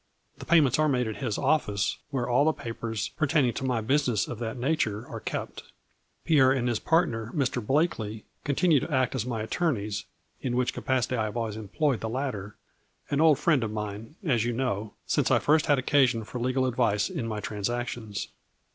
The payments are made at his office, where all the papers pertain ing to my business of that nature are kept. Pierre and his partner, Mr. Blakely, continue to act as my attorneys, in which capacity I have always employed the latter, an old friend of mine, as you know, since I first had occasion for legal advice in my transactions.